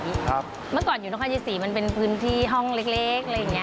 เมื่อก่อนอยู่นครยีมันเป็นพื้นที่ห้องเล็กอะไรอย่างนี้